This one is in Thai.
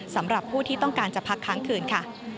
สำหรับผู้ที่ต้องการจะพักค้างคืนค่ะ